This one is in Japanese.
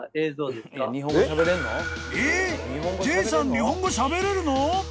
日本語しゃべれるの！？］